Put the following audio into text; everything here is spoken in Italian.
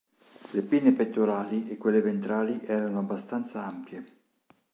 Le pinne pettorali e quelle ventrali erano abbastanza ampie.